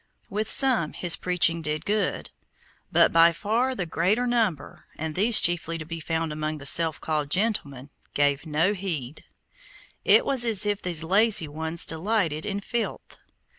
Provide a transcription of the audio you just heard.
With some his preaching did good, but by far the greater number, and these chiefly to be found among the self called gentlemen, gave no heed. It was as if these lazy ones delighted in filth.